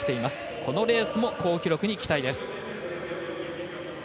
このレースも好記録に期待です。